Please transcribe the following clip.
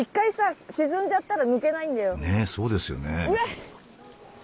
ねえそうですよね。